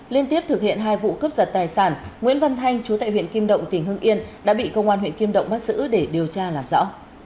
liên tiếp thực hiện hai vụ cướp giật tài sản nguyễn văn thanh chú tại huyện kim động tỉnh hưng yên đã bị công an huyện kim động bắt giữ để điều tra làm rõ